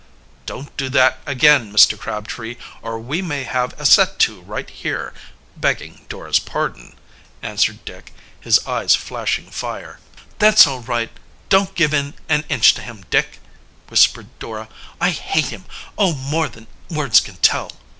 "Don't do that again, Mr. Crabtree, or we may have a set to right here begging Dora's pardon," answered Dick, his eyes flashing fire. "That's all right don't give in an inch to him, Dick," whispered Dora. "I hate him oh, more than words can tell!"